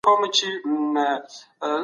چارواکو به د انسان د ژوند حق خوندي کړی وي.